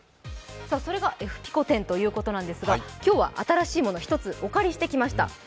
それがエフピコ展ということなんですが今日は新しいもの、１つ、お借りしてきました。